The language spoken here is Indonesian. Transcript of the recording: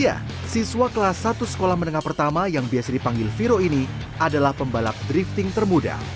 ya siswa kelas satu sekolah menengah pertama yang biasa dipanggil viro ini adalah pembalap drifting termuda